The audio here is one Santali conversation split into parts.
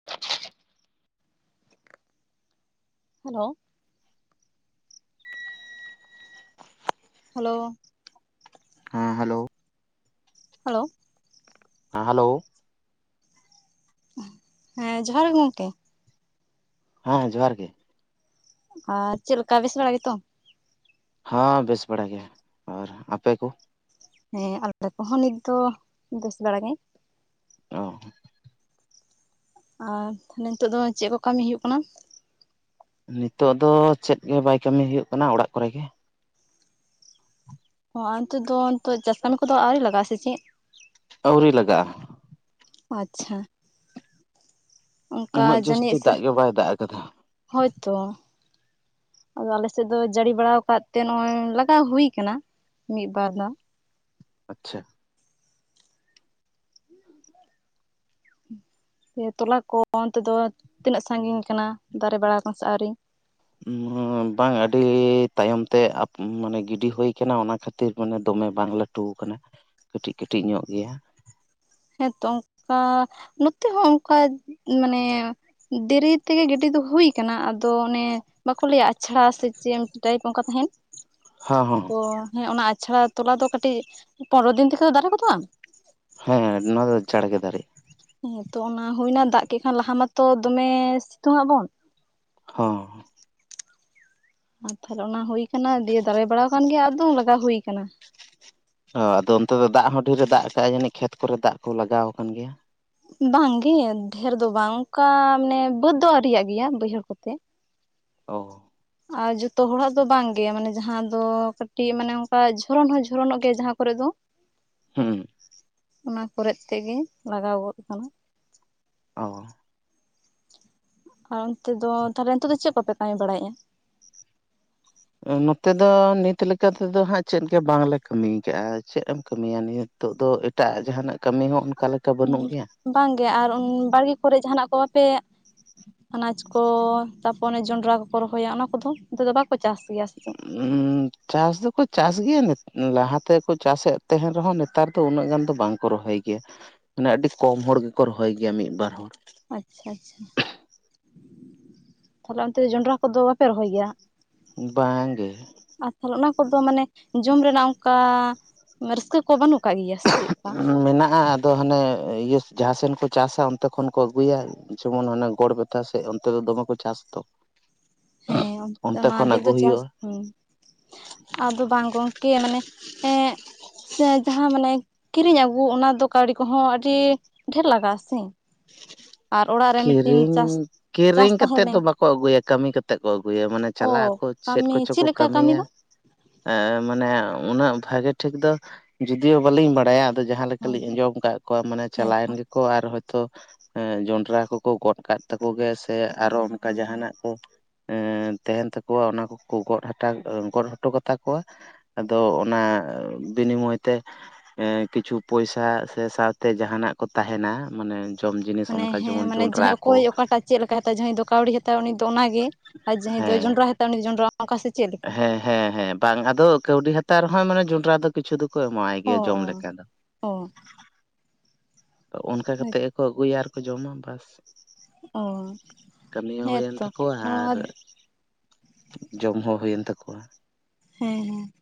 [inaudible] ᱦᱮᱞᱳ, ᱦᱮᱞᱳ, ᱦᱮᱸ ᱦᱮᱞᱳ, ᱦᱮᱞᱳ, ᱦᱮᱸ ᱦᱮᱞᱳ, ᱦᱮᱸ ᱡᱚᱦᱟᱨ ᱜᱮ ᱜᱚᱝᱠᱮ, ᱦᱮᱸ ᱡᱚᱦᱟᱨ ᱜᱮ, ᱟᱨ ᱪᱮᱫ ᱞᱮᱠᱟ ᱵᱮᱥ ᱵᱟᱲᱟ ᱜᱮᱛᱚ? ᱦᱸ ᱵᱮᱥ ᱵᱟᱲᱟ ᱜᱮ ᱟᱨ ᱟᱯᱮ ᱠᱚ? ᱦᱮᱸ ᱟᱞᱮ ᱠᱚᱦᱚᱸ ᱱᱤᱛ ᱫᱚ ᱵᱮᱥ ᱵᱟᱲᱟ ᱜᱮ, ᱚ ᱟᱨ ᱱᱤᱛᱚᱜ ᱫᱚ ᱪᱮᱫ ᱠᱚ ᱠᱟᱹᱢᱤ ᱦᱩᱭᱩᱜ ᱠᱟᱱᱟ? ᱱᱤᱛᱚᱜ ᱫᱚ ᱪᱮᱫᱜ ᱜᱮ ᱵᱟᱭ ᱠᱟᱹᱢᱤ ᱦᱩᱭᱩᱜ ᱠᱟᱱᱟ ᱚᱲᱟᱜ ᱠᱚᱨᱮᱜᱮ, ᱚ ᱚᱱᱛᱮᱫ ᱫᱚ ᱱᱤᱛᱚᱜ ᱪᱟᱥ ᱠᱟᱹᱢᱤ ᱠᱚᱫᱚ ᱟᱹᱣᱨᱤ ᱞᱟᱜᱟᱜᱼᱟ ᱥᱮ ᱪᱮᱫ? ᱟᱹᱣᱨᱤ ᱞᱟᱜᱟᱜᱼᱟ, ᱟᱪᱪᱷᱟ, ᱚᱱᱠᱟ ᱩᱱᱟᱹᱜ ᱡᱟᱹᱥᱛᱤ ᱫᱟᱜ ᱜᱮ ᱵᱟᱭ ᱫᱟᱜ ᱟᱠᱟᱫᱟ, ᱦᱳᱭᱛᱳ, ᱟᱫᱚ ᱟᱞᱮᱥᱮᱫ ᱫᱚ ᱡᱟᱹᱲᱤ ᱵᱟᱲᱟᱭ ᱟᱠᱟᱫ ᱛᱮ ᱱᱚᱜᱼᱚᱭ ᱞᱟᱜᱟᱣ ᱦᱩᱭ ᱟᱠᱟᱱᱟ ᱢᱤᱫ ᱵᱟᱨ ᱫᱚ, ᱟᱪᱪᱷᱟ, ᱤᱭᱟᱹ ᱛᱚᱞᱟ ᱠᱚ ᱚᱱᱛᱮ ᱫᱚ ᱛᱤᱱᱟᱹᱜ ᱥᱟᱜᱤᱧ ᱠᱟᱱᱟ ᱫᱟᱨᱮ ᱵᱟᱲᱟ ᱟᱠ ᱥᱮ ᱟᱹᱣᱨᱤ, ᱵᱟᱝ ᱟᱹᱰᱤᱻ ᱛᱟᱭᱚᱢ ᱛᱮ ᱢᱟᱱᱮ ᱜᱤᱰᱤ ᱦᱩᱭ ᱠᱟᱱᱟ ᱚᱱᱟ ᱠᱷᱟᱹᱛᱤᱨ ᱢᱟᱱᱮ ᱫᱚᱢᱮ ᱵᱟᱝ ᱞᱟᱹ ᱴᱩ ᱟᱠᱟᱱᱟ ᱠᱟᱹᱴᱤᱡ ᱠᱟᱹᱴᱤᱡ ᱧᱚᱜ ᱜᱮᱭᱟ, ᱦᱮᱸᱛᱚ ᱚᱱᱠᱟ ᱱᱚᱛᱮ ᱦᱚᱸ ᱚᱱᱠᱟ ᱢᱟᱱᱮ, ᱫᱮᱨᱤ ᱛᱮᱜᱮ ᱜᱤᱰᱤ ᱫᱚ ᱦᱩᱭᱩ ᱟᱠᱟᱱᱟ ᱟᱫᱚ ᱚᱱᱮ ᱵᱟᱠᱚ ᱞᱟᱹᱭᱟ ᱟᱪᱷᱟᱲᱟ ᱥᱮ ᱪᱮᱫ ᱢᱤᱫᱴᱤᱡ ᱴᱟᱭᱤᱯ ᱚᱱᱠᱟ ᱛᱟᱦᱮᱸᱱ? ᱦᱚᱸ, ᱦᱚᱸ, ᱛᱚ ᱦᱮᱸ ᱚᱱᱟ ᱟᱪᱷᱟᱲᱟ ᱛᱚᱞᱟ ᱫᱚ ᱠᱟᱴᱤᱡ ᱯᱚᱱᱨᱚ ᱫᱤᱱ ᱛᱮᱠᱮ ᱫᱚ ᱫᱟᱨᱮ ᱜᱚᱫᱚᱜᱼᱟ? ᱦᱮᱸ ᱱᱚᱣᱟ ᱫᱚ ᱪᱟᱸᱲᱜᱮ ᱫᱟᱨᱮᱼᱟ᱾ ᱦᱮᱸ ᱛᱚ ᱚᱱᱟ ᱦᱩᱭᱱᱟ ᱫᱟᱜ ᱠᱮᱫ ᱠᱷᱟᱱ ᱞᱟᱦᱟ ᱢᱟᱛᱚ ᱫᱚᱢᱮ ᱥᱤᱛᱩᱝᱼᱟᱜ ᱵᱚᱱ, ᱦᱚᱸ, ᱟᱨ ᱛᱟᱦᱚᱞᱮ ᱚᱱᱟ ᱦᱩᱭᱳ ᱠᱟᱱᱟ ᱫᱤᱭᱮ ᱫᱟᱨᱮ ᱵᱟᱲᱟ ᱠᱟᱱ ᱜᱮ ᱟᱠᱫᱚᱢ ᱞᱟᱜᱟᱣ ᱦᱩᱭ ᱠᱟᱱᱟ᱾ ᱚ ᱟᱫᱚ ᱚᱱᱛᱮ ᱫᱚ ᱫᱟᱜ ᱦᱚᱸ ᱰᱷᱨᱮ ᱮ ᱫᱟᱜ ᱠᱟᱜᱼᱟ ᱡᱟᱹᱱᱤᱡ ᱠᱷᱮᱛ ᱠᱚᱨᱮ ᱫᱟᱜ ᱠᱚ ᱞᱟᱜᱟᱣ ᱠᱟᱱ ᱜᱮᱭᱟ? ᱵᱟᱝ ᱜᱮ ᱰᱷᱮᱨ ᱫᱚ ᱵᱟᱝ ᱚᱱᱠᱟ ᱢᱟᱱᱮ ᱵᱟᱹᱫᱽ ᱫᱚ ᱟᱹᱨᱤᱭ ᱨᱮᱭᱟᱜ ᱜᱮᱭᱟ ᱵᱟᱹᱭᱦᱟᱹᱲ ᱠᱚᱛᱮ, ᱚ᱾ ᱟᱨ ᱡᱷᱚᱛᱚ ᱦᱚᱲᱟᱜ ᱫᱚ ᱵᱟᱝ ᱜᱮ ᱢᱟᱱᱮ ᱡᱟᱦᱟᱸ ᱫᱚ ᱠᱟᱹᱴᱤᱡ ᱢᱟᱱᱮ ᱚᱱᱠᱟ ᱡᱷᱚᱨᱚᱱ ᱦᱚᱸ ᱡᱷᱚᱨᱚᱱᱚᱜ ᱜᱮᱭᱟ ᱡᱟᱦᱟᱸ ᱠᱚᱨᱮ ᱫᱚ, [unintelligible] ᱦᱩᱸ᱾ ᱚᱱᱟ ᱠᱚᱨᱮᱜ ᱛᱮᱜᱮ ᱞᱟᱜᱟᱣ ᱜᱚᱫ ᱠᱟᱱᱟ᱾ ᱚ᱾ ᱟᱨ ᱚᱱᱛᱮ ᱫᱚ ᱛᱟᱦᱚᱸᱞᱮ ᱱᱤᱛᱚᱜ ᱫᱚ ᱪᱮᱜ ᱠᱚᱯᱮ ᱠᱟᱹᱢᱤ ᱵᱟᱲᱟᱭᱮᱜᱼᱟ? ᱱᱚᱛᱮ ᱫᱚ ᱱᱤᱛ ᱞᱮᱠᱟ ᱛᱮᱫᱚ ᱦᱟᱸᱜ ᱪᱮᱫ ᱜᱮ ᱵᱟᱝᱞᱮ ᱠᱟᱹᱢᱤᱭ ᱠᱟᱜᱼᱟ᱾ ᱪᱮᱜ ᱮᱢ ᱠᱟᱹᱢᱤᱭᱟ ᱱᱤᱭᱟᱹ ᱱᱤᱛᱚᱜ ᱫᱚ ᱮᱴᱟᱜ ᱡᱟᱦᱟᱸᱱᱟᱜ ᱠᱟᱹᱢᱤ ᱦᱚᱸ ᱚᱱᱠᱟ ᱞᱮ ᱦᱩᱸ ᱵᱟᱝᱜᱮ ᱟᱨ ᱵᱟᱲᱜᱮ ᱠᱚᱨᱮᱜ ᱡᱟᱦᱟᱸᱱᱟᱜ ᱠᱚ ᱵᱟᱯᱮ ᱟᱱᱟᱡᱽ ᱠᱚ, ᱛᱟᱯᱚᱨ ᱚᱱᱮ ᱡᱚᱱᱰᱨᱟ ᱠᱚᱠᱚ ᱨᱚᱦᱚᱭᱟ ᱚᱱᱟ ᱠᱚᱫᱚ ᱱᱚᱛᱮ ᱫᱚ ᱵᱟᱠᱚ ᱪᱟᱥ ᱜᱮᱭᱟ ᱥᱮ ᱪᱮᱫ? ᱩᱸ ᱪᱟᱥ ᱫᱚᱠᱚ ᱪᱟᱥ ᱜᱮᱭᱟ ᱱᱤ ᱞᱟᱦᱟ ᱛᱮᱠᱚ ᱪᱟᱥᱮᱜ ᱛᱟᱦᱮᱸᱱ ᱨᱮᱦᱚᱸ, ᱱᱮᱛᱟᱨ ᱫᱚ ᱩᱱᱟᱹᱜ ᱜᱟᱱ ᱫᱚ ᱵᱟᱝ᱾ ᱠᱚ ᱨᱚᱦᱚᱭ ᱜᱮᱭᱟ ᱢᱟᱱᱮ ᱟᱹᱰᱤ ᱠᱚᱢ ᱦᱚᱲ ᱜᱮᱠᱚ ᱨᱚᱦᱚᱭ ᱜᱮᱭᱟ ᱢᱤᱜ ᱵᱟᱨ ᱦᱚᱲ᱾ ᱟᱪᱪᱷᱟ ᱟᱪᱪᱷᱟ᱾ ᱛᱟᱦᱚᱞᱮ ᱚᱱᱛᱮ ᱫᱚ ᱡᱚᱸᱰᱨᱟ ᱠᱚᱫᱚ ᱵᱟᱯᱮ ᱨᱚᱦᱚᱭ ᱜᱮᱭᱟ? ᱵᱟᱝ ᱜᱮ᱾ ᱟᱨ ᱛᱟᱦᱚᱸᱞᱮ ᱚᱱᱟ ᱠᱚᱫᱚ ᱢᱟᱱᱮ ᱡᱚᱢ ᱨᱮᱱᱟᱜ ᱚᱝᱠᱟ ᱨᱟᱹᱥᱠᱟᱹ ᱠᱚ ᱵᱟᱹᱱᱩᱜ ᱠᱟᱜ ᱜᱮᱭᱟ ᱥᱮ ᱪᱮᱜ-ᱠᱟ? ᱢᱮᱱᱟᱜᱼᱟ ᱟᱨ ᱫᱚ ᱦᱟᱸᱱᱮ ᱤᱭᱟᱹ ᱡᱟᱦᱟᱸ ᱥᱮᱱ ᱠᱚ ᱪᱟᱥᱟ ᱚᱱᱛᱮ ᱠᱷᱚᱱ ᱠᱚ ᱟᱹᱜᱩᱭᱟ, ᱡᱮᱢᱚᱱ ᱦᱟᱱᱮ ᱜᱚᱲᱵᱮ ᱛᱟ ᱥᱮᱜ ᱚᱱᱛᱮ ᱫᱚ ᱫᱚᱢᱮ ᱠᱚ ᱪᱟᱥᱟ ᱛᱚ᱾ ᱦᱮᱸ ᱚᱱᱟ ᱟᱹᱰᱤ ᱟᱹᱜᱩ ᱫᱚ ᱦᱩᱭᱩᱜᱼᱟ ᱪᱟᱥ ᱦᱩᱸ᱾ ᱟᱫᱚ ᱵᱟᱝ ᱜᱚᱝᱠᱮ ᱢᱟᱱᱮ ᱮᱸᱜ ᱡᱟᱦᱟᱸ ᱢᱟᱱᱮ ᱠᱤᱨᱤᱧ ᱟᱹᱜᱩ, ᱚᱱᱟ ᱫᱚ ᱠᱟᱹᱣᱰᱤ ᱠᱚᱦᱚᱸ ᱟᱹᱰᱤ ᱰᱷᱮᱨ ᱞᱟᱜᱟᱜᱼᱟ ᱥᱮ? ᱟᱨ ᱚᱲᱟᱜ ᱨᱮ ᱢᱤᱫᱴᱤᱱ ᱠᱤᱨᱤᱧ, ᱪᱟᱥ ᱪᱟᱥ ᱠᱤᱨᱤᱧ ᱛᱟᱦᱮᱸ ᱠᱟᱛᱮᱜ ᱞᱮᱱ ᱫᱚ ᱵᱟᱠᱚ ᱟᱹᱜᱩᱭᱟ, ᱠᱟᱹᱢᱤ ᱠᱟᱛᱮᱜ ᱠᱚ ᱟᱹᱜᱩᱭᱟ᱾ ᱢᱟᱱᱮ ᱚ ᱪᱟᱞᱟᱜ ᱟᱠᱚ ᱪᱮᱫ ᱠᱟᱹᱢᱤ ᱠᱚᱪᱚ ᱠᱚ ᱞᱮᱠᱟ ᱠᱟᱹᱢᱤ ᱠᱟᱹᱢᱤᱭᱟ, ᱫᱚ ᱮᱸ ᱢᱟᱱᱮ ᱩᱱᱟᱹᱜ ᱵᱷᱟᱜᱮ ᱴᱷᱤᱠ ᱫᱚ ᱡᱩᱫᱤᱭᱳ ᱵᱟᱞᱤᱧ ᱵᱟᱲᱟᱭᱟ᱾ ᱫᱚ ᱡᱟᱦᱟᱸ ᱞᱮᱠᱟ ᱞᱤᱧ ᱟᱸᱡᱚᱢ ᱠᱟᱜ ᱠᱚᱣᱟ, ᱢᱟᱱᱮ ᱦᱮᱸᱛᱚ ᱪᱟᱞᱟᱣᱮᱱ ᱜᱮᱠᱚ ᱟᱨ ᱦᱚᱭᱛᱚ ᱡᱚᱸᱰᱨᱟ ᱠᱚ ᱠᱚ ᱜᱚᱫ ᱠᱟᱜ ᱛᱟᱠᱚ ᱜᱮ, ᱥᱮ ᱟᱨᱚ ᱚᱱᱠᱟ ᱡᱟᱦᱟᱸᱱᱟᱜ ᱠᱚ ᱮᱸ ᱛᱟᱦᱮᱸᱱ ᱛᱟᱠᱚᱣᱟ ᱚᱱᱟ ᱠᱚᱠᱚ ᱜᱚᱫ ᱦᱟᱴᱟ ᱜᱚᱫ ᱦᱚᱴᱚ ᱠᱟᱛᱟ ᱠᱚᱣᱟ, ᱟᱫᱚ ᱚᱱᱟ ᱵᱤᱱᱤᱢᱚᱭ ᱛᱮ ᱮᱸ ᱠᱤᱪᱷᱩ ᱯᱚᱭᱥᱟ ᱥᱮ ᱥᱟᱶᱛᱮ ᱡᱟᱦᱟᱸᱱᱟᱜ ᱠᱚ ᱛᱟᱦᱮᱸᱱᱟ ᱢᱟᱱᱮ ᱡᱚᱢ ᱡᱤᱱᱤᱥ, ᱢᱟᱱᱮ ᱚᱱᱠᱟ ᱦᱮᱸ ᱡᱮᱢᱚᱱ ᱢᱟᱱᱮ ᱡᱚᱱᱰᱨᱟ ᱡᱟᱦᱟᱸᱭ ᱠᱚ ᱚᱠᱚᱭ ᱚᱠᱟᱴᱟᱜ ᱪᱮᱜ ᱞᱮᱠᱟᱭ ᱦᱟᱛᱟᱣᱟ, ᱡᱟᱦᱟᱸᱭ ᱫᱚ ᱠᱟᱹᱣᱰᱤᱭ ᱦᱟᱛᱟᱣᱟ ᱩᱱᱤ ᱫᱚ ᱚᱱᱟᱜᱮ, ᱟᱨ ᱡᱟᱦᱟᱸᱭ ᱫᱚᱭ ᱦᱮᱸ ᱡᱚᱸᱰᱨᱟ ᱦᱟ ᱛᱟᱣᱟ ᱩᱱᱤ ᱡᱚᱱᱰᱨᱟ ᱚᱝᱠᱟ ᱥᱮ? ᱪᱮᱫ ᱞᱮᱠᱟ ᱦᱮᱸ ᱦᱮᱸ ᱦᱮᱸ ᱵᱟᱝ ᱟᱫᱚ, ᱠᱟᱹᱣᱰᱤ ᱦᱟᱛᱟᱣ ᱨᱮᱦᱚᱸ ᱢᱟᱱᱮ ᱡᱚᱸᱰᱨᱟ ᱫᱚ ᱠᱤᱪᱷᱩ ᱫᱚᱠᱚ ᱮᱢᱟᱭ ᱚ ᱜᱮᱭᱟ ᱡᱚᱢ ᱚ ᱞᱮᱠᱟ ᱫᱚ᱾ ᱚ᱾ ᱚᱱᱠᱟ ᱠᱟᱛᱮᱜ ᱜᱮᱠᱚ ᱟᱹᱜᱩᱭᱟ ᱟᱨ ᱠᱚ ᱡᱚᱢᱟ ᱵᱟᱥ᱾ ᱚ ᱠᱟᱹᱢᱤ ᱦᱚᱸ ᱦᱳᱭᱮᱱ ᱦᱮᱸᱛᱚ ᱛᱟᱠᱚᱣᱟ, ᱱᱚᱣᱟ ᱟᱨ ᱡᱚᱢ ᱦᱚᱸ ᱦᱩᱭᱮᱱ ᱛᱟᱠᱚᱣᱟ᱾ ᱦᱮᱸ ᱦᱮᱸ᱾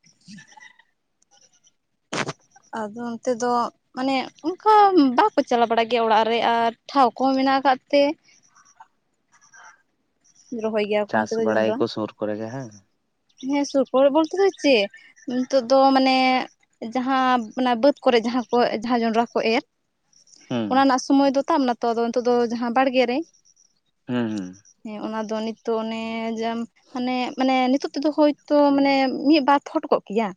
ᱟᱫᱚ ᱚᱱᱛᱮ ᱫᱚ ᱢᱟᱱᱮ ᱚᱝᱠᱟ ᱵᱟᱠᱚ ᱪᱟᱞᱟ ᱵᱟᱲᱟᱜ ᱜᱮᱭᱟ ᱚᱲᱟᱜ ᱨᱮ, ᱟᱨ ᱴᱷᱟᱶ ᱠᱚᱦᱚᱸ ᱢᱮᱱᱟᱜ ᱟᱠᱟᱫ ᱛᱮ ᱨᱚᱦᱚᱭ ᱜᱮᱭᱟ ᱾ ᱪᱟᱥ ᱵᱟᱲᱟᱭᱟᱠᱚ ᱥᱩᱨ ᱠᱚᱨᱮ ᱜᱮ ᱦᱮᱸ ᱾ ᱦᱮᱸ ᱥᱩᱨ ᱠᱚᱨᱮ ᱵᱚᱞᱛᱮ ᱫᱚ ᱪᱮᱜ? ᱱᱤᱛᱚᱜ ᱫᱚ ᱢᱟᱱᱮ ᱡᱟᱦᱟᱸ ᱚᱱᱟ ᱵᱟᱹᱫᱽ ᱠᱚᱨᱮ ᱡᱟᱦᱟᱸ ᱠᱚ, ᱡᱟᱦᱟᱸ ᱡᱚᱸᱰᱨᱟ ᱠᱚᱠᱚ ᱮᱨ ᱦᱩᱸ ᱚᱱᱟ ᱨᱮᱱᱟᱜ ᱥᱚᱢᱚᱭ ᱫᱚ ᱛᱟᱵ ᱱᱟᱛᱚ, ᱟᱫᱚ ᱱᱤᱛᱳᱜ ᱫᱚ ᱡᱟᱦᱟᱸ ᱵᱟᱲᱜᱮ ᱨᱮ ᱦᱩᱸ ᱦᱮᱸ ᱚᱱᱟ ᱫᱚ ᱱᱤᱛ ᱫᱚ ᱚᱱᱮ ᱡᱟᱢ ᱦᱟᱱᱮ ᱢᱟᱱᱮ ᱱᱤᱛᱚᱜ ᱛᱮᱫᱚ ᱦᱳᱭᱛᱳ ᱢᱟᱱᱮ ᱢᱤᱜ ᱵᱟᱨ ᱯᱷᱚᱴ ᱠᱚᱜ ᱠᱮᱭᱟ,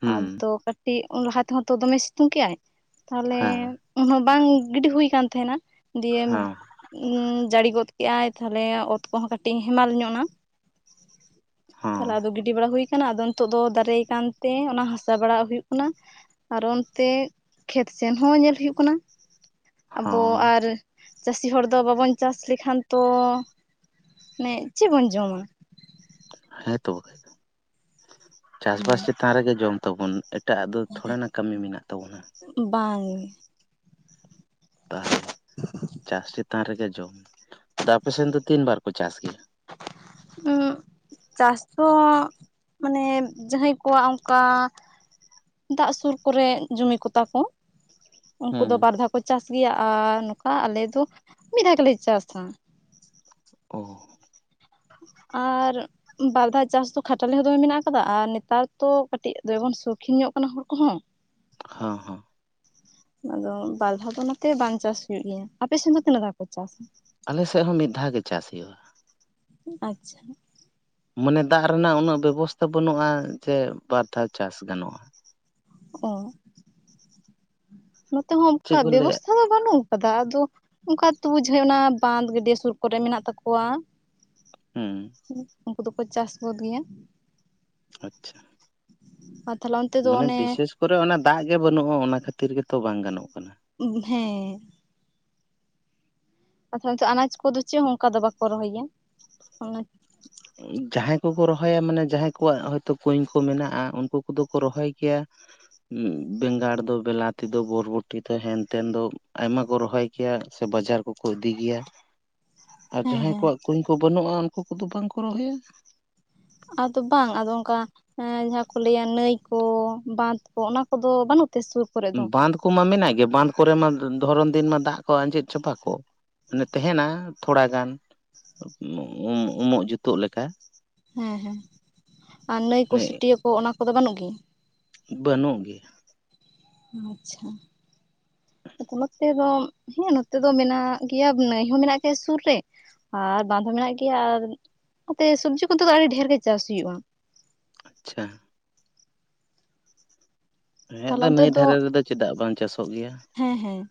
ᱦᱩᱸ ᱟᱫᱚ ᱠᱟᱹᱴᱤᱡ ᱞᱟᱦᱟ ᱛᱮᱦᱚᱸ ᱛᱚ ᱫᱚᱢᱮ ᱥᱤᱛᱩᱝ ᱠᱮᱜ-ᱟᱭ, ᱛᱟᱦᱚᱞᱮ ᱦᱮᱸ ᱩᱱᱦᱚᱸ ᱵᱟᱝ ᱜᱤᱰᱤ ᱦᱩᱭ ᱠᱟᱱ ᱛᱟᱦᱮᱸᱱᱟ ᱾ ᱫᱤᱭᱮᱢ ᱦᱮᱸ ᱡᱟᱹᱲᱤ ᱜᱚᱫ ᱠᱮᱜ-ᱟᱭ, ᱛᱟᱦᱚᱞᱮ ᱚᱛ ᱠᱚᱦᱚᱸ ᱠᱟᱹᱴᱤᱡ ᱦᱮᱢᱟᱞ ᱧᱚᱜ ᱱᱟ ᱾ ᱦᱮᱸ ᱛᱟᱦᱚᱞᱮ ᱟᱫᱚ ᱜᱤᱰᱤ ᱵᱟᱲᱟ ᱦᱩᱭ ᱠᱟᱱᱟ, ᱟᱫᱚ ᱱᱤᱛᱳᱜ ᱫᱚ ᱫᱟᱨᱮᱭᱟ ᱠᱟᱱᱛᱮ ᱚᱱᱟ ᱦᱟᱥᱟ ᱵᱟᱲᱟᱣᱟᱜ ᱦᱩᱭᱩᱜ ᱠᱟᱱᱟ ᱾ ᱟᱨᱚ ᱚᱱᱛᱮ ᱠᱷᱮᱛ ᱥᱮᱱ ᱦᱚᱸ ᱧᱮᱞ ᱦᱩᱭᱩᱜ ᱠᱟᱱᱟ ᱟᱵᱚ ᱦᱮᱸ ᱟᱨ ᱪᱟᱹᱥᱤ ᱦᱚᱲ ᱫᱚ ᱵᱟᱵᱚᱱ ᱪᱟᱥ ᱞᱮᱠᱷᱟᱱ ᱛᱚ ᱢᱟᱱᱮ ᱪᱮᱫ ᱵᱚᱱ ᱡᱚᱢᱟ? ᱦᱮᱸ ᱛᱚ ᱵᱟᱠᱷᱟᱡ ᱫᱚ, ᱪᱟᱥᱵᱟᱥ ᱪᱮᱛᱟᱱ ᱨᱮᱜᱮ ᱡᱚᱢ ᱛᱟᱵᱚᱱ ᱮᱴᱟᱜ ᱟᱜ ᱫᱚ ᱛᱷᱚᱲᱮ ᱱᱟ ᱠᱟᱹᱢᱤ ᱢᱮᱱᱟᱜ ᱛᱟᱵᱚᱱᱟ? ᱵᱟᱝ ᱾ ᱛᱟᱦᱚᱞᱮ, ᱪᱟᱥ ᱪᱮᱛᱟᱱ ᱨᱮᱜᱮ ᱡᱚᱢ ᱟᱫᱚ ᱟᱯᱮᱥᱮᱱ ᱫᱚ ᱛᱤᱱ ᱵᱟᱨ ᱠᱚ ᱪᱟᱥ ᱜᱮᱭᱟ? ᱩᱸᱜ ᱪᱟᱥ ᱫᱚ ᱢᱟᱱᱮ ᱡᱟᱦᱟᱸᱭ ᱠᱚᱣᱟᱜ ᱚᱱᱠᱟ ᱫᱟᱜ ᱥᱩᱨ ᱠᱚᱨᱮ ᱡᱚᱢᱤ ᱠᱚ ᱛᱟᱠᱚ ᱩᱱᱠᱩ ᱦᱮᱸ ᱫᱚ ᱵᱟᱨ ᱫᱷᱟᱣ ᱠᱚ ᱪᱟᱥ ᱜᱮᱭᱟ ᱟᱨ ᱱᱚᱝᱠᱟ ᱟᱞᱮ ᱫᱚ ᱢᱤᱫ ᱫᱷᱟᱣ ᱜᱮᱞᱮ ᱪᱟᱥᱟ ᱾ ᱚ ᱾ ᱟᱨ ᱵᱟᱨᱫᱷᱟᱣ ᱪᱟᱥ ᱫᱚ ᱠᱷᱟᱴᱟᱞᱮ ᱦᱚᱸ ᱫᱚᱢᱮ ᱢᱮᱱᱟᱜ ᱟᱠᱟᱫᱟ ᱟᱨ ᱱᱮᱛᱟᱨ ᱛᱚ ᱠᱟᱹᱴᱤᱡ ᱫᱚᱢᱮ ᱵᱚᱱ ᱥᱚᱠᱷᱤᱱ ᱧᱚᱜ ᱟᱠᱟᱱᱟ ᱦᱚᱲ ᱠᱚᱦᱚᱸ ᱾ ᱦᱚᱸ ᱦᱚᱸ ᱾ ᱟᱫᱚ ᱵᱟᱨ ᱫᱷᱟᱣ ᱫᱚ ᱚᱱᱟ ᱛᱮ ᱵᱟᱝ ᱪᱟᱥ ᱦᱩᱭᱩᱜ ᱜᱮᱭᱟ ᱾ ᱟᱯᱮ ᱥᱮᱱ ᱫᱚ ᱛᱤᱱᱟᱹᱜ ᱫᱷᱟᱣ ᱠᱚ ᱪᱟᱥᱟ? ᱟᱞᱮ ᱥᱮᱫ ᱦᱚᱸ ᱢᱤᱫ ᱫᱷᱟᱣ ᱜᱮ ᱪᱟᱥ ᱦᱩᱭᱩᱜᱼᱟ ᱾ ᱟᱪᱪᱷᱟ ᱾ ᱢᱟᱱᱮ ᱫᱟᱜ ᱨᱮᱱᱟᱜ ᱩᱱᱟᱹᱜ ᱵᱮᱵᱚᱥᱛᱷᱟ ᱵᱟᱹᱱᱩᱜᱼᱟ ᱡᱮ ᱵᱟᱨ ᱫᱷᱟᱣ ᱪᱟᱥ ᱜᱟᱱᱚᱜᱼᱟ ᱾ ᱚ ᱾ ᱱᱚᱛᱮ ᱦᱚᱸ ᱚᱱᱠᱟ ᱪᱮᱫ ᱠᱚ ᱞᱟᱹᱭᱟ ᱵᱮᱵᱚᱥᱛᱷᱟ ᱫᱚ ᱵᱟᱹᱱᱩᱜ ᱟᱠᱟᱫᱟ ᱟᱫᱚ ᱚᱱᱠᱟ ᱛᱚᱵᱩ ᱡᱷᱟᱭᱚᱱᱟ‌ ᱵᱟᱸᱱᱫ ᱜᱟᱹᱰᱭᱟᱹ ᱥᱩᱨ ᱠᱚᱨᱮ ᱢᱮᱱᱟᱜ ᱛᱟᱠᱚᱣᱟ ᱾ ᱦᱩᱸ ᱾ ᱩᱱᱠᱩ ᱫᱚᱠᱚ ᱪᱟᱥ ᱜᱚᱫ ᱜᱮᱭᱟ ᱾ ᱟᱪᱪᱷᱟ ᱾ ᱟ ᱢᱟᱱᱮ ᱵᱤᱥᱮᱥ ᱠᱚᱨᱮ ᱚᱱᱟ ᱫᱟᱜ ᱜᱮ ᱵᱟᱹᱱᱩᱜᱼᱟ ᱚᱱᱟ ᱠᱷᱟᱹᱛᱤᱨ ᱜᱮᱛᱚ ᱵᱟᱝ ᱜᱟᱱᱚᱜ ᱠᱟᱱᱟ ᱾ ᱩᱢ ᱦᱮᱸ ᱾ ᱚ ᱛᱟᱦᱚᱞᱮ ᱱᱤᱛᱚᱜ ᱟᱱᱟᱡᱽ ᱠᱚᱫᱚ ᱪᱮᱫ ᱦᱚᱸ ᱚᱱᱠᱟ ᱫᱚ ᱵᱟᱠᱚ ᱨᱚᱦᱚᱭᱟ? ᱚᱱᱟ ᱡᱟᱦᱟᱸᱭ ᱠᱚᱠᱚ ᱨᱚᱦᱚᱭᱟ ᱢᱟᱱᱮ ᱡᱟᱦᱟᱸᱭ ᱠᱚᱣᱟᱜ ᱦᱚᱭᱛᱚ ᱠᱩᱧ ᱠᱚ ᱢᱮᱱᱟᱜᱼᱟ ᱩᱱᱠᱩ ᱠᱚᱫᱚ ᱠᱚ ᱨᱚᱦᱚᱭ ᱜᱮᱭᱟ ᱾ ᱵᱮᱸᱜᱟᱲ ᱫᱚ, ᱵᱮᱞᱟᱛᱤ ᱫᱚ, ᱵᱚᱨᱵᱚᱴᱤ ᱛᱟᱦᱮᱱ ᱛᱟᱦᱮᱱ ᱫᱚ ᱟᱭᱢᱟ ᱠᱚ ᱨᱚᱦᱚᱭ ᱠᱮᱭᱟ ᱥᱮ ᱵᱟᱡᱟᱨ ᱠᱚᱠᱚ ᱤᱫᱤ ᱜᱮᱭᱟ ᱾ [unintelligible] ᱟᱨ ᱦᱮᱸ ᱡᱟᱦᱟᱸᱭ ᱦᱮᱸ ᱠᱚᱣᱟᱜ ᱠᱩᱧ ᱠᱚ ᱵᱟᱹᱱᱩᱜᱼᱟ ᱩᱱᱠᱩ ᱠᱚᱫᱚ ᱵᱟᱝ ᱠᱚ ᱨᱚᱦᱚᱭᱟ ᱾ ᱟᱫᱚ ᱵᱟᱝ ᱟᱫᱚ ᱚᱱᱠᱟ ᱦᱮ ᱡᱟᱸᱦᱟ ᱠᱚ ᱞᱟᱹᱭᱟ ᱱᱟᱹᱭ ᱠᱚ, ᱵᱟᱸᱱᱫᱷ ᱠᱚ, ᱚᱱᱟ ᱠᱚᱫᱚ ᱵᱟᱹᱱᱩᱜ ᱛᱮ ᱥᱩᱨ ᱠᱚᱨᱮ ᱫᱚ ᱵᱟᱸᱱᱫᱷ ᱠᱚᱢᱟ ᱢᱮᱱᱟᱜ ᱜᱮ ᱵᱟᱸᱱᱫᱷ ᱠᱚᱨᱮ ᱢᱟ ᱫᱷᱚᱨᱚᱱ ᱫᱤᱱ ᱢᱟ ᱫᱟᱜ ᱠᱚ ᱟᱸᱡᱮᱫ ᱪᱟᱵᱟ ᱠᱚᱜ᱾ ᱢᱟᱱᱮ ᱛᱟᱦᱮᱱᱟ ᱛᱷᱚᱲᱟᱜᱟᱱ ᱩᱸ ᱩᱢᱚᱜ ᱡᱩᱛᱩᱜ ᱞᱮᱠᱟ᱾ ᱦᱮᱸ ᱦᱮᱸ ᱟᱨ ᱱᱟᱹᱭᱠᱩ ᱥᱩᱴᱤᱭᱟᱹ ᱠᱚ ᱚᱱᱟ ᱠᱚᱫᱚ ᱵᱟᱹᱱᱩᱜ ᱜᱮ? ᱵᱟᱹᱱᱩᱜ ᱟᱪᱪᱷᱟ ᱟᱯᱮ ᱫᱚᱢ ᱦᱮᱸ ᱱᱚᱛᱮ ᱫᱚ ᱢᱮᱱᱟᱜ ᱜᱮᱭᱟ ᱢᱟᱱᱮ [unintelligible] ᱢᱮᱱᱟᱜ-ᱟ ᱥᱮ ᱥᱩᱨ ᱨᱮ ᱟᱨ ᱵᱟᱸᱫᱷ ᱦᱚᱸ ᱢᱮᱱᱟᱜ ᱜᱮᱭᱟ ᱟᱨ ᱠᱟᱛᱮ ᱥᱚᱵᱡᱤ ᱠᱚᱫᱚ ᱟᱹᱰᱤ ᱰᱷᱮᱨ ᱞᱮ ᱪᱟᱥ ᱦᱩᱭᱩᱜᱼᱟ᱾ ᱟᱪᱪᱷᱟ᱾ ᱦᱮᱸ ᱛᱟᱦᱚᱞᱮ ᱛᱚ ᱚᱱᱛᱮ ᱱᱟᱹᱭ ᱫᱚ ᱫᱷᱟᱨᱮ ᱨᱮᱫᱚ ᱪᱮᱫᱟᱜ ᱵᱟᱝ ᱪᱟᱥᱚᱜ ᱜᱮᱭᱟ᱾ ᱦᱮᱸ ᱦᱮᱸ᱾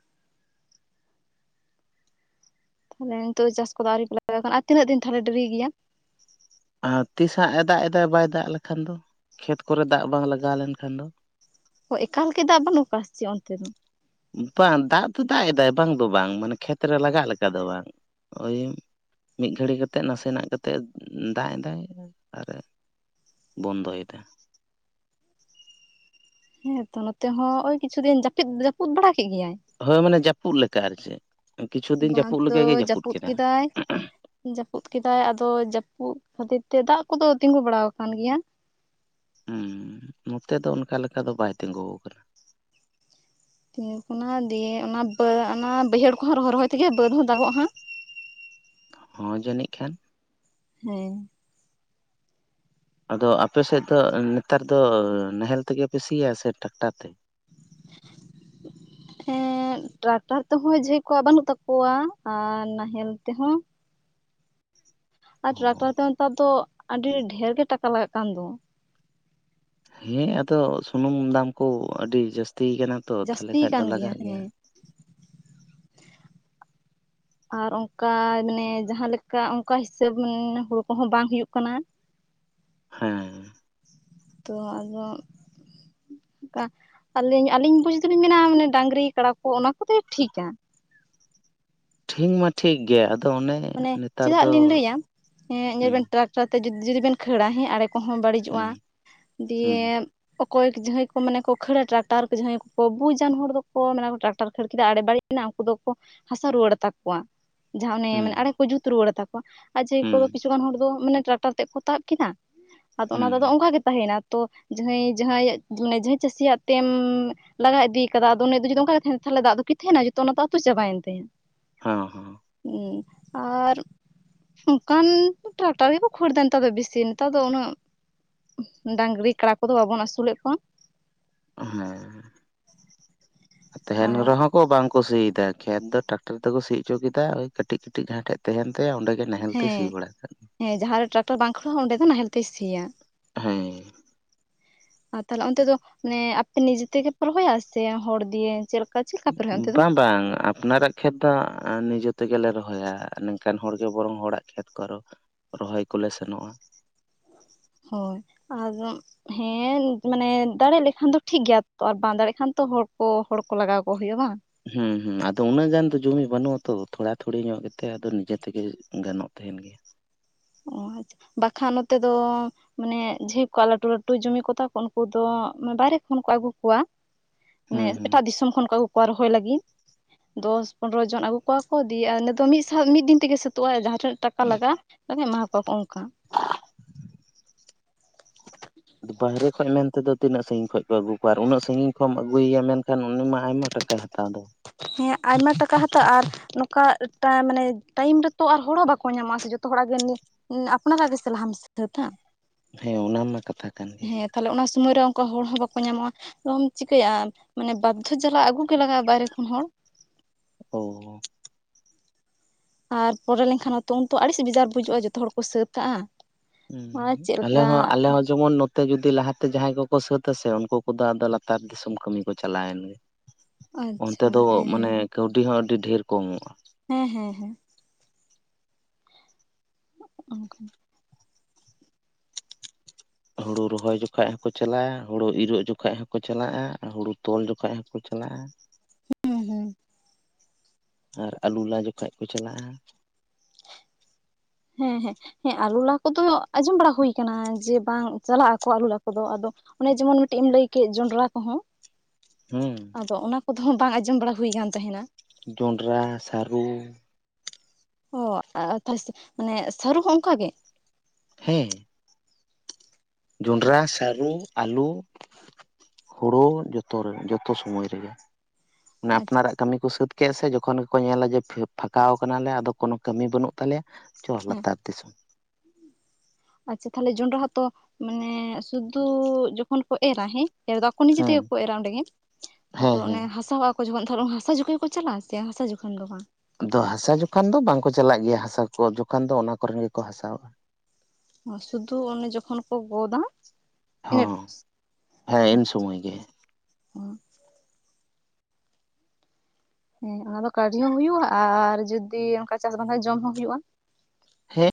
ᱛᱟᱦᱚᱞᱮ ᱱᱤᱛᱚᱜ ᱫᱚ ᱪᱟᱥ ᱠᱚᱫᱚ ᱟᱹᱣᱨᱤ [unintelligible] ᱟᱨ ᱛᱤᱱᱟᱹᱜ ᱫᱤᱱ ᱛᱟᱦᱚᱞᱮ ᱰᱤᱨᱤ ᱜᱮᱭᱟ᱾ ᱟᱨ ᱛᱤᱥ ᱦᱟᱸᱜ ᱮ‌ ᱫᱟᱜ ᱮᱫᱟᱭ ᱵᱟᱭ ᱫᱟᱜ ᱞᱮᱠᱷᱟᱱ ᱫᱚ ᱠᱷᱮᱛ ᱠᱚᱨᱮ ᱫᱟᱜ ᱵᱟᱝ ᱞᱟᱜᱟᱣ ᱞᱮᱱᱠᱷᱟᱱ ᱫᱚ᱾ ᱚ ᱮᱠᱟᱞ ᱜᱮ ᱫᱟᱜ ᱵᱟᱹᱱᱩᱜ ᱟᱠᱟᱜ ᱥᱮ ᱪᱮᱜ ᱚᱱᱛᱮ ᱫᱚ? ᱵᱟᱝ ᱫᱟᱜ ᱫᱚ ᱫᱟᱜ ᱮᱫᱟᱭ ᱵᱟᱝ ᱫᱚ ᱵᱟᱝ ᱢᱟᱱᱮ ᱠᱷᱮᱛ ᱨᱮ ᱞᱟᱜᱟᱜ ᱞᱮᱠᱟ ᱫᱚ ᱵᱟᱝ ᱳᱭ ᱢᱤᱫ ᱜᱷᱟᱹᱲᱤ ᱠᱟᱛᱮᱜ ᱱᱟᱥᱮᱱᱟᱜ ᱠᱟᱛᱮᱜ ᱮ ᱫᱟᱜ ᱮᱫᱟᱭ ᱟᱨ ᱵᱚᱱᱫᱚ ᱭᱮᱫᱟ᱾ ᱦᱮᱸᱛᱚ ᱱᱚᱛᱮ ᱦᱚᱸ ᱳᱭ ᱠᱤᱪᱷᱩ ᱫᱤᱱ ᱡᱟᱹᱯᱤᱫ ᱡᱟᱹᱯᱩᱫ ᱵᱟᱲᱟ ᱠᱮᱜ ᱜᱮᱭᱟᱭ᱾ ᱦᱳᱭ ᱢᱟᱱᱮ ᱡᱟᱹᱯᱩᱜ ᱞᱮᱠᱟ ᱟᱨ ᱪᱮᱜ ᱠᱤᱪᱷᱩ ᱫᱤᱱ ᱵᱟᱝ ᱡᱟᱹᱯᱩᱜ ᱛᱚ ᱞᱮᱠᱟᱜᱮ ᱡᱟᱹᱯᱩᱜ ᱡᱟᱹᱯᱩᱫ ᱠᱮᱫᱟ᱾ ᱠᱮᱫᱟᱭ ᱡᱟᱹᱯᱩᱫ ᱠᱮᱫᱟᱭ ᱟᱫᱚ ᱡᱟᱹᱯᱩᱫ ᱠᱷᱟᱹᱛᱤᱨ ᱛᱮ ᱫᱟᱜ ᱠᱚᱫᱚ ᱛᱤᱸᱜᱩ ᱵᱟᱲᱟ ᱣᱟᱠᱟᱱ ᱜᱮᱭᱟ᱾ ᱦᱩᱸ ᱱᱚᱛᱮ ᱫᱚ ᱚᱱᱠᱟ ᱞᱮᱠᱟ ᱫᱚ ᱵᱟᱭ ᱛᱤᱜᱩ ᱠᱟᱱᱟᱱ᱾ ᱫᱤᱭᱟᱹᱯ ᱚᱱᱟᱦᱚ ᱫᱤᱭᱮ ᱚᱱᱟ ᱯᱟᱹᱲ ᱚᱱᱟ ᱵᱟᱹᱭᱦᱟᱹᱲ ᱠᱚᱦᱚᱸ ᱨᱚᱦᱚᱭ ᱨᱚᱦᱚᱭ ᱛᱮᱜᱮ ᱵᱟᱹᱫᱽ ᱦᱚᱸ ᱫᱟᱜᱚᱜ-ᱟ ᱦᱟᱜ᱾ ᱦᱚᱸ ᱡᱟᱹᱱᱤᱡ ᱠᱷᱟᱱ᱾ ᱦᱮᱸ ᱟᱫᱚ ᱟᱯᱮ ᱥᱮᱜ ᱫᱚ ᱱᱮᱛᱟᱨ ᱫᱚ ᱱᱟᱦᱮᱞ ᱛᱮᱜᱮ ᱯᱮ ᱥᱤᱭᱟ ᱥᱮ ᱴᱨᱟᱠᱴᱟᱨ ᱛᱮ? [inaudible] ᱦᱮᱸ ᱴᱨᱟᱠᱴᱟᱨ ᱛᱮᱦᱚᱸ ᱡᱮ ᱠᱚᱣᱟᱜ ᱵᱟᱹᱱᱩᱜ ᱛᱟᱠᱚᱣᱟ ᱟᱨ ᱱᱟᱦᱮᱞ ᱛᱮᱦᱚᱸ ᱟᱨ ᱚ ᱴᱨᱟᱠᱴᱟᱨ ᱛᱮ ᱦᱚᱸ ᱱᱮᱛᱟᱨ ᱫᱚ ᱟᱹᱰᱤ ᱰᱷᱮᱨ ᱜᱮ ᱴᱟᱠᱟ ᱞᱟᱜᱟᱜ ᱠᱟᱱ ᱫᱚ᱾ ᱦᱮᱸ ᱟᱫᱚ ᱥᱩᱱᱩᱢ ᱫᱟᱢ ᱠᱚ ᱟᱹᱰᱤ ᱡᱟᱹᱥᱛᱤ ᱠᱟᱱᱟ᱾ ᱛᱚ ᱛᱟᱦᱚᱞᱮ ᱡᱟᱸᱥᱛᱤ ᱠᱷᱟᱡ ᱫᱚ ᱭᱟᱠᱟᱱ ᱜᱮᱭᱟ ᱞᱟᱜᱟᱜ ᱦᱮᱸ᱾ ᱟᱨ ᱚᱱᱠᱟ ᱢᱟᱱᱮ ᱡᱟᱦᱟ ᱞᱮᱠᱟ ᱚᱱᱠᱟ ᱦᱤᱥᱟᱹᱵᱽ ᱢᱟᱱᱮ ᱦᱩᱲᱩ ᱠᱚᱦᱚᱸ ᱵᱟᱝ ᱦᱩᱭᱩᱜ ᱠᱟᱱᱟ᱾ ᱦᱮᱸ ᱛᱚ ᱟᱫᱚ ᱠᱟ ᱟᱹᱞᱤᱧ ᱟᱹᱞᱤᱧ ᱵᱩᱡ ᱫᱚᱞᱤᱧ ᱢᱮᱱᱟ ᱢᱟᱱᱮ ᱰᱟᱝᱨᱤ ᱠᱟᱲᱟ ᱠᱚ ᱚᱱᱟ ᱠᱚ ᱛᱮᱜᱮ ᱴᱷᱤᱠᱟ᱾ ᱴᱷᱤᱠ ᱢᱟ ᱴᱷᱤᱠ ᱜᱮᱭᱟ ᱟᱫᱚ ᱚᱱᱮ ᱢᱟᱱᱮ ᱱᱮᱛᱟᱨ ᱪᱮᱫᱟᱜ ᱫᱚ ᱞᱤᱧ ᱞᱟᱹᱭᱟᱸ ᱮᱜ ᱧᱮᱞ ᱦᱩᱸ ᱵᱮᱱ ᱴᱨᱟᱠᱴᱟᱨ ᱛᱮ ᱡᱩᱫ ᱡᱩᱫᱤ ᱵᱮᱱ ᱠᱷᱟᱹᱲᱟ ᱦᱮᱸ ᱟᱲᱮ ᱠᱚᱦᱚᱸ ᱵᱟᱹᱲᱤᱡᱚᱜᱼᱟ ᱦᱩᱸ ᱫᱤᱭᱮ ᱦᱩᱸ ᱚᱠᱚᱭ ᱡᱟᱦᱟᱸᱭ ᱠᱚ ᱢᱟᱱᱮ ᱠᱚ ᱠᱷᱟᱹᱲᱟ ᱴᱨᱟᱠᱴᱟᱨ ᱛᱮ ᱡᱟᱦᱟᱸᱭ ᱠᱚ ᱵᱩᱡᱟᱱ ᱦᱚᱲ ᱫᱚᱠᱚ ᱢᱮᱱᱟᱢ ᱴᱨᱟᱠᱴᱟᱨ ᱠᱷᱟᱹᱲ ᱠᱮᱫᱟ ᱟᱬᱮᱹ ᱵᱟᱲᱤᱡ᱾ ᱮᱱᱟ ᱩᱱᱠᱩ ᱫᱚᱠᱚ ᱦᱟᱥᱟ ᱨᱩᱣᱟᱹᱲᱟ ᱛᱟᱠᱚᱣᱟ ᱡᱟᱦᱟᱸ ᱚᱱᱮ ᱢᱮᱱᱟᱜ ᱦᱩᱸ ᱡᱩᱛ ᱨᱩᱣᱟᱹᱲᱟ ᱟᱛᱟᱠᱚᱣᱟ ᱟᱨ ᱡᱮ ᱦᱩᱸ ᱦᱩᱭᱩᱜ ᱵᱤᱥᱤ ᱜᱟᱱ ᱦᱚᱲ ᱫᱚ ᱢᱟᱱᱮ ᱴᱨᱟᱠᱴᱟᱨ ᱛᱮᱜ ᱠᱚ ᱛᱟᱵ ᱠᱮᱫᱟ ᱟᱫᱚ ᱚᱱᱟ ᱫᱚᱫᱚ ᱦᱩᱸ ᱚᱱᱠᱟ ᱜᱮ ᱛᱟᱸᱦᱮᱭᱮᱱᱟ ᱛᱚ ᱡᱟᱹᱦᱟᱸᱭ ᱡᱟᱹᱦᱟᱸᱭᱟᱜ ᱢᱟᱱᱮ ᱪᱟᱹᱥᱤᱭᱟᱜ ᱴᱮᱱ ᱞᱟᱜᱟ ᱤᱫᱤᱭ ᱠᱟᱫᱟ ᱟᱫᱚ ᱩᱱᱤ ᱫᱚ ᱡᱩᱫᱤ ᱚᱱᱠᱟ ᱜᱮ ᱛᱟᱦᱮᱱ ᱛᱟᱦᱚᱞᱮ ᱫᱚ ᱟᱫᱚ ᱠᱤᱛᱷᱤᱭᱟᱱᱟ ᱡᱚᱛᱚ ᱱᱚᱛᱮ ᱟᱹᱛᱩ ᱥᱮᱜ ᱦᱚᱸ ᱵᱟᱭ ᱛᱟᱦᱮ ᱦᱚᱸ ᱦᱩᱸ᱾ ᱟᱨ ᱚᱱᱠᱟᱱ ᱴᱨᱟᱠᱴᱟᱨᱤ ᱠᱚ ᱠᱷᱚᱲᱫᱟ ᱱᱮᱛᱟᱨ ᱫᱚ ᱵᱤᱥᱤ ᱱᱮᱛᱟᱨ ᱫᱚ ᱩᱱᱟᱹᱜ ᱰᱟᱸᱝᱨᱤ ᱠᱟᱲᱟ ᱠᱚᱫᱚ ᱵᱟᱵᱚᱱ ᱟᱥᱩᱞᱮᱜ ᱠᱚᱣᱟ᱾ ᱦᱮᱸ ᱛᱟᱦᱮᱱ ᱠᱚᱣᱟ ᱨᱮᱦᱚᱸ᱾ ᱠᱚ ᱵᱟᱝ ᱠᱚ ᱥᱤᱭ ᱫᱟ ᱠᱷᱮᱛ ᱫᱚ ᱴᱨᱟᱠᱴᱚᱨ ᱛᱮᱠᱚ ᱥᱤ ᱚᱪᱚ ᱠᱮᱫᱟ ᱳᱭ ᱠᱟᱹᱴᱤᱡ ᱠᱟᱹᱴᱤᱡ ᱡᱟᱦᱟᱸ ᱴᱷᱮᱜ᱾ ᱛᱟᱦᱮᱱ ᱛᱟᱭᱟ ᱚᱸᱰᱮ ᱜᱮ ᱱᱟᱦᱮᱞ ᱛᱮᱭ ᱥᱤ ᱦᱮᱸ ᱵᱟᱲᱟ ᱠᱷᱟᱡ ᱫᱚ᱾ ᱦᱮᱸ ᱡᱟᱦᱟᱸ ᱨᱮ ᱴᱨᱟᱠᱴᱚᱨ ᱵᱟᱝ ᱠᱷᱟᱹᱲᱟᱹᱜ-ᱟ ᱚᱸᱰᱮ ᱫᱚ ᱱᱟᱦᱮᱞ ᱛᱮᱭ ᱥᱤᱭᱟ᱾ ᱦᱮᱸ ᱟᱨ ᱛᱟᱦᱞᱮ ᱚᱱᱛᱮ ᱫᱚ ᱢᱟᱱᱮ ᱟᱯᱮ ᱱᱤᱡᱮ ᱛᱮᱜᱮ ᱯᱮ ᱨᱚᱦᱚᱭᱟ ᱥᱮ ᱦᱚᱲ ᱫᱤᱭᱮ ᱪᱮᱜ᱾ ᱵᱟᱝ ᱵᱟᱝ᱾ ᱟᱯᱱᱟᱨᱟᱜ ᱠᱷᱮᱛ ᱫᱚ ᱱᱤᱡᱮ ᱛᱮᱜᱮᱞᱮ ᱨᱚᱦᱚᱭᱟ ᱱᱤᱝᱠᱟᱱ ᱦᱚᱲᱜᱮ ᱵᱚᱨᱚᱝ ᱦᱚᱲᱟᱜ ᱠᱷᱮᱛ ᱠᱚ ᱟᱨᱚ᱾ ᱨᱚᱦᱚᱭ ᱠᱚᱞᱮ ᱥᱮᱱᱚᱜ-ᱟ᱾ ᱦᱳᱭ ᱟᱨ᱾ ᱦᱮᱸ ᱢᱟᱱᱮ ᱫᱟᱲᱮ ᱞᱮᱠᱷᱟᱱ ᱫᱚ ᱴᱷᱤᱠ ᱜᱮᱭᱟ ᱛᱚ ᱟᱨ ᱵᱟᱝ ᱫᱟᱲᱮᱜ ᱠᱷᱟᱱ ᱛᱚ ᱦᱚᱲ ᱠᱚ ᱦᱚᱲ ᱠᱚ ᱞᱟᱜᱟᱣ ᱠᱚ ᱦᱩᱭᱩᱜ-ᱟ ᱵᱟᱝ᱾ ᱦᱩᱸ ᱦᱩᱸ ᱟᱫᱚ ᱩᱱᱟᱹᱜ ᱜᱟᱱ ᱫᱚ ᱡᱚᱢᱤ ᱵᱟᱱᱩᱜ ᱟᱛᱚ ᱛᱷᱚᱲᱟ ᱛᱷᱩᱲᱤ ᱧᱚᱜ ᱜᱮᱛᱮ ᱟᱫᱚ ᱱᱤᱡᱮ ᱛᱮᱜᱮ ᱜᱟᱱᱚᱜ ᱛᱟᱦᱮᱱ ᱜᱮᱭᱟ᱾ ᱚ ᱟᱪ ᱵᱟᱠᱷᱟᱱ ᱱᱚᱛᱮ ᱫᱚ᱾ ᱢᱟᱱᱮ [unintelligible] ᱠᱚᱣᱟᱜ ᱞᱟᱴᱩ ᱞᱟᱴᱩ ᱡᱚᱢᱤ ᱠᱚ ᱛᱟᱠᱚ ᱩᱱᱠᱩ ᱫᱚ ᱵᱟᱦᱨᱮ ᱠᱷᱚᱱ ᱠᱚ ᱟᱜᱩ ᱠᱚᱣᱟ᱾ ᱢᱟᱱᱮ ᱦᱩᱸ ᱦᱩᱸ ᱮᱴᱟᱜ ᱫᱤᱥᱚᱢ ᱠᱷᱚᱱ ᱠᱚ ᱟᱜᱩ ᱠᱚᱣᱟ ᱨᱚᱦᱚᱭ ᱞᱟᱜᱤ ᱫᱚᱥ ᱯᱚᱱᱨᱚ ᱡᱚᱱ ᱟᱜᱩ ᱠᱚᱣᱟ ᱠᱚ ᱫᱤᱭᱮ ᱟ ᱱᱤᱫᱚ ᱢᱤᱜ ᱥᱟᱶ ᱢᱤᱫ ᱫᱤᱱ ᱛᱮᱜᱮ ᱥᱟᱹᱛᱳᱜ ᱟᱭ ᱡᱟᱦᱟ ᱛᱤᱱᱟᱹᱜ ᱴᱟᱠᱟ ᱞᱟᱜᱟ-ᱟ [unintelligible] ᱮᱢᱟ ᱠᱚᱣᱟᱠᱚ ᱚᱱᱠᱟ᱾ ᱟᱫᱚ ᱵᱟᱦᱨᱮ ᱠᱷᱚᱡ ᱢᱮᱱᱛᱮᱫᱚ ᱛᱤᱱᱟᱹᱜ ᱥᱟᱹᱜᱤᱧ ᱠᱷᱚᱡ ᱯᱮ ᱟᱹᱜᱩ ᱠᱚᱣᱟ ᱟᱨ ᱩᱱᱟᱹᱜ ᱥᱟᱸᱜᱤᱧ ᱠᱷᱚᱢ ᱮᱢ ᱟᱹᱜᱩᱭᱭᱟ ᱢᱮᱱᱠᱷᱟᱱ ᱩᱱᱤ ᱢᱟ ᱟᱭᱢᱟ ᱴᱟ ᱠᱟᱭ ᱦᱟᱛᱟᱣ ᱫᱚ᱾ ᱦᱮᱸ ᱟᱭᱢᱟ ᱴᱟᱠᱟ ᱦᱟᱛᱟᱣ ᱟᱨ᱾ ᱱᱚᱠᱟ ᱴᱟ ᱢᱟᱱᱮ ᱴᱟᱭᱤᱢ ᱨᱮᱛᱚ ᱟᱨ ᱦᱚᱲ ᱦᱚ ᱵᱟᱠᱚ ᱧᱟᱢᱚᱜ-ᱟ ᱥᱮ ᱡᱚᱛᱚ ᱦᱚᱲᱟᱜ ᱜᱮ ᱩᱱᱫᱚ᱾ ᱟᱯᱱᱟᱨᱟᱜ ᱜᱮᱥᱮ ᱞᱟᱦᱟᱢ ᱥᱟᱹᱛᱟ ᱦᱮᱸ ᱚᱱᱟ ᱢᱟ ᱠᱟᱛᱷᱟ ᱠᱟᱱ ᱜᱮ ᱦᱮᱸ᱾ ᱛᱟᱦᱞᱮ ᱚᱱᱟ ᱥᱩᱢᱟᱹᱭ ᱨᱮ ᱚᱝᱠᱟ ᱦᱚᱲ ᱦᱚᱸ ᱵᱟᱠᱚ ᱧᱟᱢᱚᱜ-ᱟ ᱟᱫᱚᱢ ᱪᱤᱠᱟᱹᱭᱟ ᱢᱟᱱᱮ ᱵᱟᱫᱽᱫᱷᱚ ᱡᱟᱞᱟ ᱟᱜᱩ ᱜᱮ ᱞᱟᱜᱟᱜ-ᱟ ᱵᱟᱭᱨᱮ ᱠᱷᱚᱱ ᱦᱚᱲ᱾ [unintelligible] ᱟᱨ ᱯᱚᱨᱮ ᱞᱮᱱᱠᱷᱟᱱ ᱦᱚᱸᱛᱚ ᱩᱱᱛᱚ ᱟᱲᱤᱥ ᱵᱮᱡᱟᱨ ᱵᱩᱡᱩᱜ-ᱟ ᱡᱚᱛᱚ ᱦᱚᱲ ᱠᱚ ᱥᱟᱹᱛ ᱠᱟᱜ-ᱟ᱾ [unintelligible] ᱟᱞᱮ ᱦᱚᱸ ᱟᱞᱮ ᱦᱚᱸ ᱡᱮᱢᱚᱱ ᱱᱚ ᱛᱮ ᱡᱩᱫᱤ ᱞᱟᱦᱟᱛᱮ ᱡᱟᱦᱟᱸᱭ ᱠᱚᱠᱚ ᱥᱟᱹᱛ-ᱟ ᱥᱮ ᱩᱱᱠᱩ ᱠᱚᱫᱚ ᱟᱫᱚ ᱞᱟᱛᱟᱨ ᱫᱤᱥᱚᱢ ᱠᱟᱹᱢᱤ ᱠᱚ ᱪᱟᱞᱟᱣᱮᱱ ᱜᱮ᱾ ᱚᱱᱛᱮ ᱟᱪᱪᱷᱟ ᱫᱚ ᱦᱮᱸ ᱦᱮᱸ ᱢᱟᱱᱮ ᱠᱟᱹᱣᱰᱤ ᱦᱚᱸ ᱟᱹᱰᱤ ᱰᱷᱮᱨ ᱠᱚ ᱮᱢᱚᱜ-ᱟ᱾ ᱦᱮᱸ ᱦᱮᱸ ᱦᱮᱸ᱾ ᱚᱱᱠᱟ᱾ ᱦᱩᱲᱩ ᱨᱚᱦᱚᱭ ᱡᱚᱠᱷᱟᱡ ᱦᱚᱸᱠᱚ ᱪᱟᱞᱟᱜ-ᱟ ᱦᱳᱲᱳ ᱤᱨᱚᱜ ᱡᱚᱠᱷᱟᱡ ᱦᱚᱸᱠᱚ ᱪᱟᱞᱟᱜ-ᱟ ᱦᱳᱲᱳ ᱛᱚᱞ ᱡᱚᱠᱷᱟᱡ ᱦᱚᱠᱚ ᱪᱟᱞᱟᱜ-ᱟ᱾ ᱦᱩᱸ ᱦᱩᱸ᱾ ᱟᱨ ᱟᱞᱩ ᱞᱟ ᱡᱚᱠᱷᱟᱡ ᱠᱚ ᱪᱟᱞᱟᱜ-ᱟ᱾ ᱦᱮᱸ ᱦᱮᱸ ᱦᱮᱸ ᱟᱞᱩ ᱞᱟ ᱠᱚᱫᱚ ᱟᱸᱡᱚᱢ ᱵᱟᱲᱟ ᱦᱩᱭ ᱟᱠᱟᱱᱟ ᱡᱮ ᱵᱟᱝ ᱪᱟᱞᱟᱜ ᱟᱠᱚ ᱟᱞᱩ ᱞᱟ ᱠᱚᱫᱚ ᱟᱫᱚ᱾ ᱚᱱᱮ ᱡᱮᱢᱚᱱ ᱢᱤᱴᱤᱜ ᱮᱢ ᱞᱟᱹᱭ ᱠᱮᱜ ᱡᱚᱸᱰᱨᱟ ᱠᱚᱦᱚᱸ᱾ ᱦᱩᱸ ᱟᱫᱚ ᱚᱱᱟ ᱠᱚᱫᱚ ᱵᱟᱝ ᱟᱸᱡᱚᱢ ᱵᱟᱲᱟ ᱦᱩᱭ ᱠᱟᱱ ᱛᱟᱦᱮᱱᱟ᱾ ᱡᱚᱸᱱᱰᱨᱟ ᱥᱟᱨᱩ᱾ ᱚ ᱟᱻ ᱛᱟᱦ ᱢᱟᱱᱮ ᱥᱟᱹᱨᱩ ᱦᱚᱸ ᱚᱱᱠᱟ ᱜᱮ᱾ ᱦᱮᱸ᱾ ᱡᱚᱸᱱᱰᱨᱟ ᱥᱟᱨᱩ ᱟᱞᱩ᱾ ᱦᱳᱲᱳ ᱡᱚᱛᱚ ᱨᱮ ᱡᱚᱛᱚ ᱥᱚᱢᱚᱭ ᱨᱮᱜᱮ ᱚᱱᱮ ᱟᱪᱪᱷᱟ ᱟᱯᱱᱟᱨᱟᱜ᱾ ᱠᱟᱹᱢᱤ ᱠᱚ ᱥᱟᱹᱛ ᱠᱮᱜ ᱥᱮ ᱡᱚᱠᱷᱚᱱ ᱜᱮᱠᱚ ᱧᱮᱞᱟ ᱡᱮ ᱯᱷᱟᱠᱟᱣ ᱠᱟᱱᱟᱞᱮ ᱟᱫᱚ ᱠᱚᱱᱳ ᱠᱟᱹᱢᱤ ᱵᱟᱹᱱᱩᱜ ᱛᱟᱞᱮᱭᱟ᱾ ᱪᱚ ᱦᱮᱸ ᱞᱟᱛᱟᱨ ᱫᱤᱥᱚᱢ᱾ ᱟᱪᱪᱷᱟ ᱛᱟᱦᱞᱮ ᱡᱚᱸᱱᱰᱨᱟ ᱦᱚᱸᱛᱚ ᱢᱟᱱᱮ ᱥᱩᱫᱩ ᱡᱚᱠᱷᱚᱱ ᱠᱚ ᱮᱨᱟ ᱦᱮᱸ᱾ ᱮᱨ ᱫᱚ ᱟᱠᱚ ᱱᱤᱡᱮ ᱦᱮᱸ ᱛᱮᱜᱮ ᱠᱚ ᱮᱨᱟ ᱚᱸᱰᱮᱜᱮ ᱦᱮᱸ ᱛᱟᱯᱚᱨ ᱚᱱᱮ ᱦᱮᱸ ᱦᱟᱥᱟᱣᱟᱜ-ᱟ ᱠᱚ ᱡᱚᱠᱷᱚᱱ ᱫᱷᱚᱨᱚᱱ ᱦᱟᱥᱟ ᱡᱚᱠᱷᱚᱡ ᱠᱚ ᱪᱟᱞᱟᱜᱼᱟ ᱥᱮ ᱦᱟᱥᱟ ᱡᱚᱠᱷᱚᱱ ᱫᱚ ᱵᱟᱝ᱾ ᱟᱫᱚ ᱦᱟᱥᱟ ᱡᱚᱠᱷᱚᱱ ᱫᱚ ᱵᱟᱝᱠᱚ ᱪᱟᱞᱟᱜ ᱜᱮᱭᱟ ᱦᱟᱥᱟ ᱠᱚ ᱡᱚᱠᱷᱚᱱ ᱫᱚ ᱚᱱᱟ ᱠᱚᱨᱮᱱ ᱜᱮᱠᱚ ᱦᱟᱥᱟᱣᱟᱜᱼᱟ᱾ ᱚ ᱥᱩᱫᱷᱩ ᱚᱱᱮ ᱡᱚᱠᱷᱚᱱ ᱠᱚ ᱜᱚᱫᱟ ᱦᱚᱸ ᱦᱮᱸ [unintelligible] ᱮᱢ ᱟᱪᱷᱷᱟ ᱥᱚᱢᱚᱭ ᱜᱮ, ᱚ᱾ ᱦᱮᱸ ᱚᱱᱟ ᱫᱚ ᱠᱟᱹᱰᱤ ᱦᱚᱸ ᱦᱩᱭᱩᱜᱼᱟ ᱟᱨ ᱡᱩᱫᱤ ᱚᱱᱠᱟ ᱪᱟᱥᱵᱟᱝ ᱦᱩᱭᱩᱜᱼᱟ ᱡᱚᱢ ᱦᱚᱸ ᱦᱩᱭᱩᱜᱼᱟ᱾ ᱦᱮᱸ